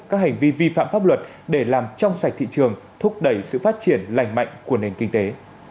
các hành vi vi phạm pháp luật để làm trong sạch thị trường thúc đẩy sự phát triển lành mạnh của nền kinh tế